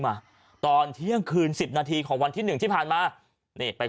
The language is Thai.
มาตอนเที่ยงคืนสิบนาทีของวันที่หนึ่งที่ผ่านมานี่ไป